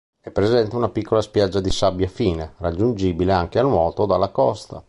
È presente una piccola spiaggia di sabbia fine, raggiungibile anche a nuoto dalla costa.